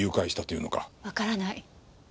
わからない。